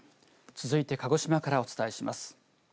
続いて鹿児島からお伝えします。